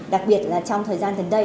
đặc biệt là trong thời gian đến đây